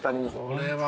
これは。